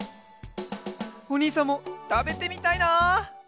おにいさんもたべてみたいな！